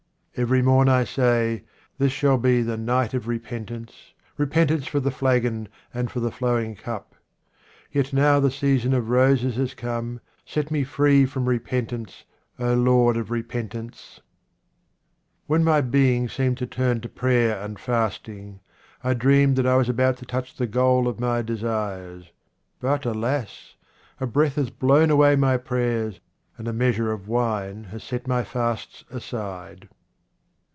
Every morn I say, This shall be the night of repentance, repentance for the flagon and for the flowing cup. Yet now that the season of 45 QUATRAINS OF OMAR KHAYYAM roses has come, set me free from repentance, O Lord of Repentance ! When my being seemed to turn to prayer and fasting, I dreamed that I was about to touch the goal of my desires ; but, alas ! a breath has blown away my prayers and a measure of wine has set my fasts aside.